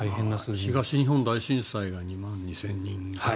東日本大震災が２万２０００人かな。